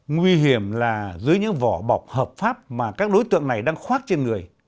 nguy hiểm là dưới những vỏ bọc hợp pháp mà các đối tượng này đang khoác trên người